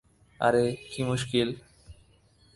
আরে কী মুশকিল!